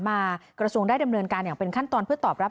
กระทรวงได้ดำเนินการอย่างเป็นขั้นตอนเพื่อตอบรับ